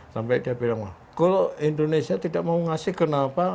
sampai dia bilang kalau indonesia tidak mau mengasih kenapa